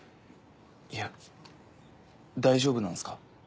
いや大丈夫なんですか？